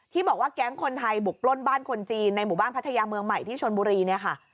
บอกว่าแก๊งคนไทยบุกปล้นบ้านคนจีนในหมู่บ้านพัทยาเมืองใหม่ที่ชนบุรีเนี่ยค่ะ